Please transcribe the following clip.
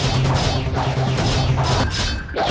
saya akan mencari